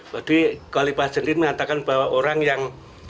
waduh kalau pak jendrin mengatakan bahwa orang yang